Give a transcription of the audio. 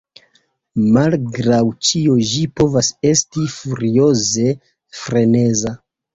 Malgraŭ ĉio ĝi povas esti furioze freneza.